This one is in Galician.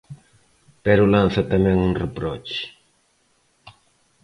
Pero lanza tamén un reproche.